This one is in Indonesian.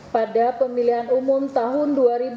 pada pemilihan umum tahun dua ribu dua puluh